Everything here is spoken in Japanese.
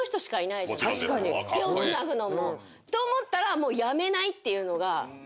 手をつなぐのも。と思ったらやめないというのが。